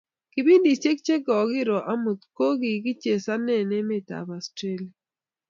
kipindisheck che kokiroo amut ko kikichesane emet ab Australia